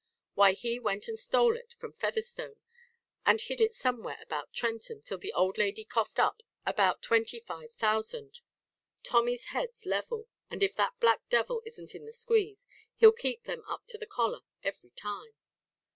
Why he went and stole it from Featherstone and hid it somewhere about Trenton till the old lady coughed up about twenty five thousand. Tommy's head's level; and if that black devil isn't in the squeeze, he'll keep them up to the collar every time."